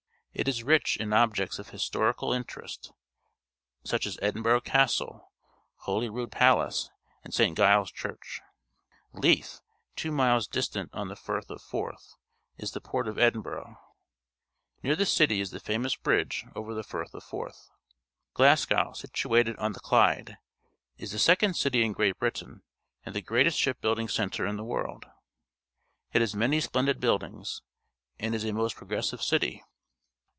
It is rich in objects of historical interest, such as Edinburgh Castle, Holyrood Palace, and St. Giles' Church. Lmih^two miles distant on the Firth of Forth, is_the_port of Edin bur gh. Near the city is the famous bridge over the Firth of Forth. Glasgoic, situated on the Clyde, is the second city in Great Britain and the greatest shig buildiiig centre in the world. It has many splendid buildings and is a most progressive city.